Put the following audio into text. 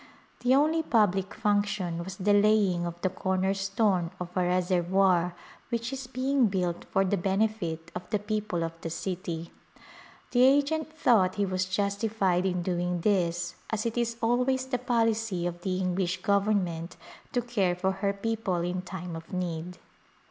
The only public function was the laying of the corner stone of a reservoir which is being built for the benefit of the people of the city. The agent thought he was justified in doing this as it Distinguished Visitors is always the policy of the English government to care for her people in time of need.